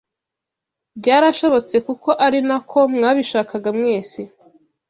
Byarashobotse kuko arinako mwabishakaga mwese